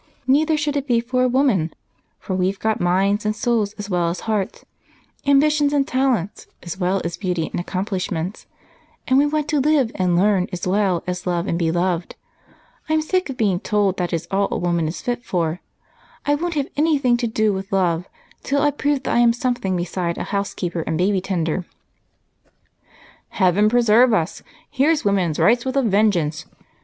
"Neither should it be for a woman, for we've got minds and souls as well as hearts; ambition and talents as well as beauty and accomplishments; and we want to live and learn as well as love and be loved. I'm sick of being told that is all a woman is fit for! I won't have anything to do with love till I prove that I am something besides a housekeeper and baby tender!" "Heaven preserve us! Here's woman's rights with a vengeance!"